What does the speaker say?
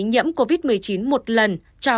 nhiễm covid một mươi chín một lần cho